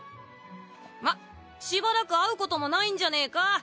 まっしばらく会うこともないんじゃねぇか？